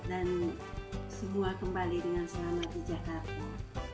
dan semua kembali dengan selamat di jakarta